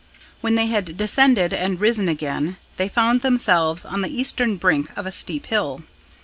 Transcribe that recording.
When they had descended and risen again, they found themselves on the eastern brink of a steep hill.